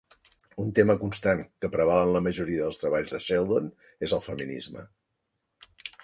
Un tema constant, que preval en la majoria dels treballs de Sheldon, és el feminisme.